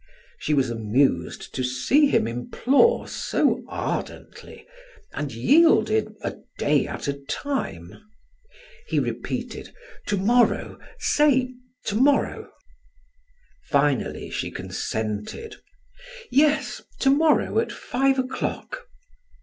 She was amused to see him implore so ardently and yielded a day at a time. He repeated: "To morrow, say to morrow." Finally she consented. "Yes, to morrow at five o'clock."